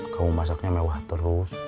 kamu masaknya mewah terus